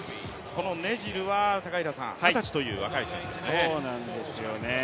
このネジルは二十歳という若い選手ですね。